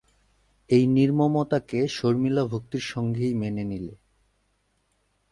এই নির্মমতাকে শর্মিলা ভক্তির সঙ্গেই মেনে নিলে।